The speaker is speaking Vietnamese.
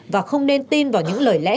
và không nên tin vào những lời lẽ